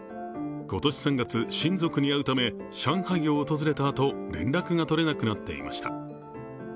今年３月、親族に会うため上海を訪れたあと連絡が取れなくなっていました。